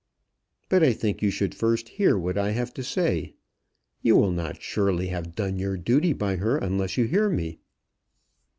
"But I think you should first hear what I have to say. You will not surely have done your duty by her unless you hear me."